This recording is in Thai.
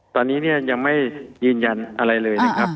ตอนนี้เนี่ยยังไม่ยืนยันอะไรเลยนะครับ